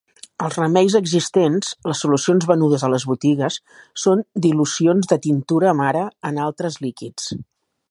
Els remeis existents –les solucions venudes a les botigues– són dilucions de tintura mare en altres líquids.